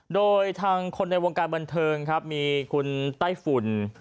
โดยทางคนในวงการบันเทิงครับมีคุณไต้ฝุ่น